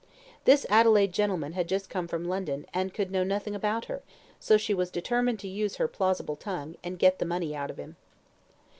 This Adelaide gentleman had just come from London, and could know nothing about her, so she was determined to use her plausible tongue, and get the money out of him.